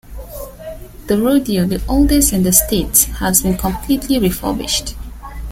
The rodeo, the oldest in the state, has been completely refurbished.